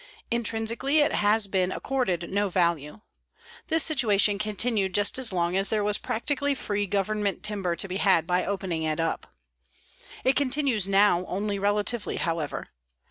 Intrinsically it has been accorded no value. This situation continued just as long as there was practically free Government timber to be had by opening it up. It continues now only relatively, however.